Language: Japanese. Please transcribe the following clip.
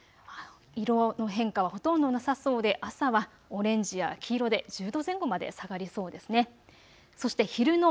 色の変化はほとんどなさそうで朝はオレンジや黄色で１０度前後まで下がりそうですね。